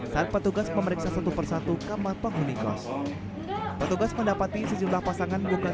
saat petugas memeriksa satu persatu kamar penghuni kos petugas mendapati sejumlah pasangan bukan